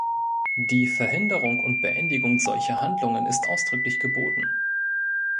Die Verhinderung und Beendigung solcher Handlungen ist ausdrücklich geboten.